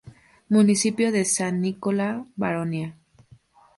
Municipio de San Nicola Baronia